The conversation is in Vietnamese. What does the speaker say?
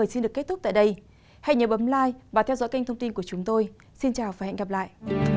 xin chào và hẹn gặp lại